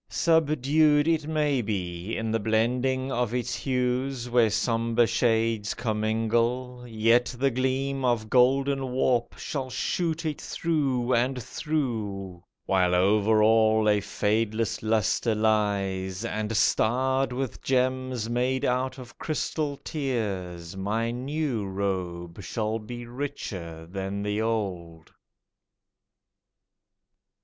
Subdued, It may be, in the blending of its hues, Where sombre shades commingle, yet the gleam Of golden warp shall shoot it through and through, While over all a fadeless lustre lies, And starred with gems made out of crystalled tears, My new robe shall be richer than the old.